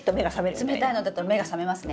冷たいのだと目が覚めますね。